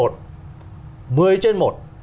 một mươi trên một